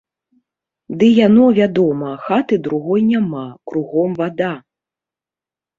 Ды яно, вядома, хаты другой няма, кругом вада.